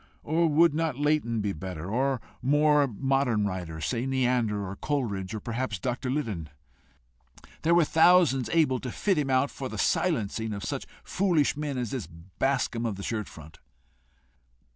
Or would not Leighton be better? Or a more modern writer say Neander, or Coleridge, or perhaps Dr. Liddon? There were thousands able to fit him out for the silencing of such foolish men as this Bascombe of the shirt front!